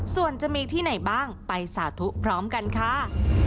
ส่วนจะมีที่ไหนบ้างไปสาธุพร้อมกันค่ะ